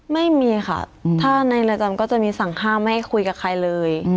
ไม่มีค่ะถ้าในเรือนจำก็จะมีสั่งห้ามไม่คุยกับใครเลย